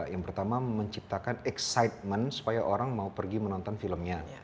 yang pertama menciptakan excitement supaya orang mau pergi menonton filmnya